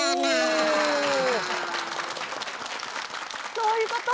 そういうこと？